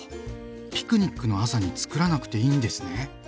ピクニックの朝につくらなくていいんですね。